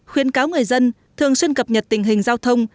khuyến cáo người dân thường xuyên cập nhật tình hình giao thông